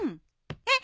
えっ？